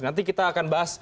nanti kita akan bahas